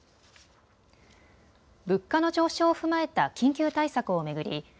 物価の上昇を踏まえた緊急対策を巡り